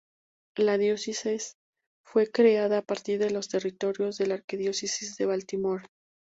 La diócesis fue creada a partir de los territorios de la Arquidiócesis de Baltimore.